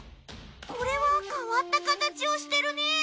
これは変わった形をしてるね。